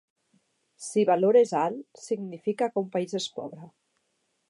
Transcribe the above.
Si valor és alt, significa que un país és pobre.